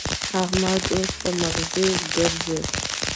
احمد اوس په مغزي ګرزي.